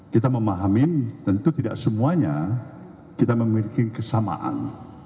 kita memahami tentu tidak semuanya kita memiliki kesamaan